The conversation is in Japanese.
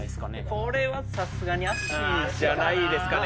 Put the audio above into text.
これはさすがに足ああ足やなあ足じゃないですかね